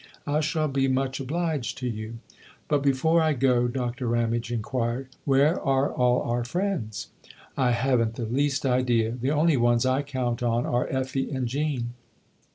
" I shall be much obliged to you." "But before I go," Doctor Ramage inquired, " where are all our friends ?"" I haven't the least idea. The only ones I count on are Effie and Jean."